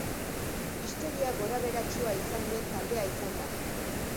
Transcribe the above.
Historia gorabeheratsua izan duen taldea izan da.